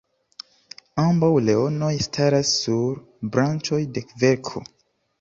Ambaŭ leonoj staras sur branĉoj de kverko.